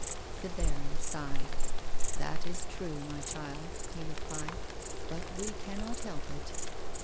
The baron sighed. " That ia true, ray child," he replied ;" but we cannot help it."